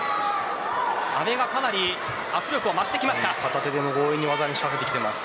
阿部がかなり圧力が増しています。